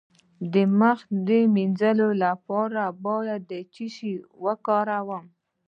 د مخ د مینځلو لپاره باید څه شی وکاروم؟